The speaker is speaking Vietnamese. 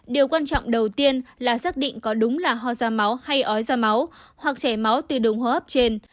điều quan trọng đầu tiên là xác định có đúng là hò da máu hay ói da máu hoặc chảy máu từ đồng hô hấp trên